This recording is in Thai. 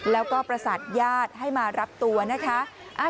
แล้วก็ประสานญาติให้มารับตัวนะคะ